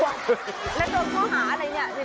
แล้วโดนข้อหาอะไรเนี่ย